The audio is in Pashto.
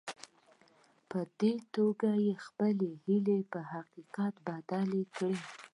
په دې توګه يې خپلې هيلې په حقيقت بدلې کړې.